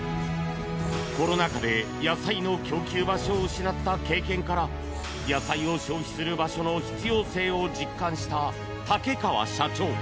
コロナ禍で野菜の供給場所を失った経験から野菜を消費する場所の必要性を実感した竹川社長。